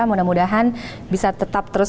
mudah mudahan bisa tetap terus